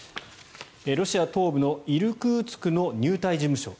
ロシア東部のイルクーツクの入隊事務所